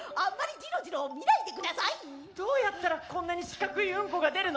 どうやったらこんなに四角いうんこが出るの？